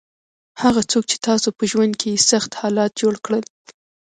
هغه څوک چې تاسو په ژوند کې یې سخت حالات جوړ کړل.